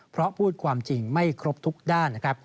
เพราะพูดความจริงไม่ครบทุกด้าน